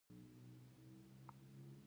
چې يوه کليوال خبر راکړ.